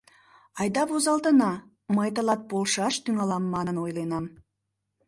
Айда возалтына, мый тылат полшаш тӱҥалам манын ойленам.